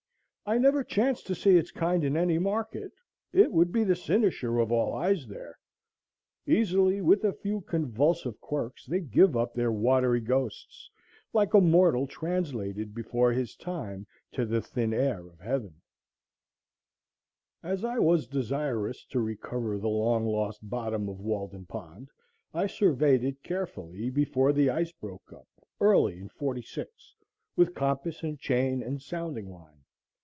I never chanced to see its kind in any market; it would be the cynosure of all eyes there. Easily, with a few convulsive quirks, they give up their watery ghosts, like a mortal translated before his time to the thin air of heaven. walden_pond_map As I was desirous to recover the long lost bottom of Walden Pond, I surveyed it carefully, before the ice broke up, early in '46, with compass and chain and sounding line.